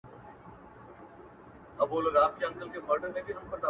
دا عجیبه شاني درد دی. له صیاده تر خیامه.